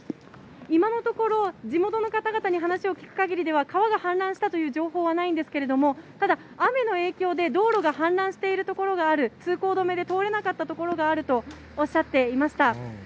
今のところ、地元の方々に話を聞くかぎりでは、川が氾濫したという情報はないんですけれども、ただ、雨の影響で道路が氾濫している所がある、通行止めで通れなかった所があるとおっしゃっていました。